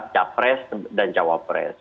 capres dan jawa pres